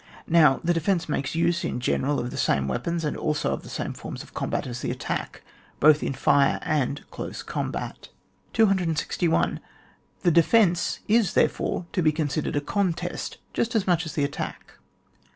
Now the defence makes use, in general, of the same weapons, and also of the same forms of combat as the attack, both in fire and close combat 261. The defence is therefore to be considered a contest just as much as the attack.